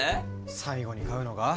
最後に買うのが？